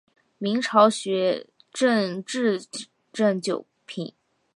明朝学正秩正九品。